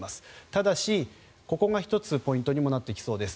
ただし、ここが１つポイントにもなってきそうです。